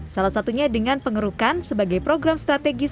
salah satunya dengan pengerukan sebagai program strategis